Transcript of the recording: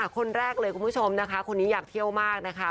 คนแรกเลยคุณผู้ชมนะคะคนนี้อยากเที่ยวมากนะคะ